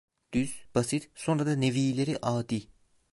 Düz, basit, sonra da nevileri adi.